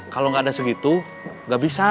kalau nggak ada segitu nggak bisa